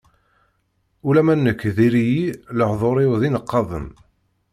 Ulamma nekk diri-yi, lehdur-iw d ineqqaden.